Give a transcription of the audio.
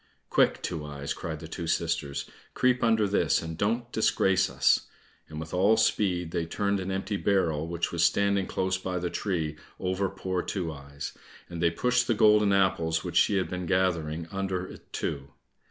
"Quick, Two eyes," cried the two sisters, "creep under this, and don't disgrace us!" and with all speed they turned an empty barrel which was standing close by the tree over poor Two eyes, and they pushed the golden apples which she had been gathering, under it too.